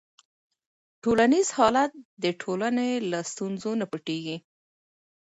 ټولنیز حالت د ټولنې له ستونزو نه پټيږي.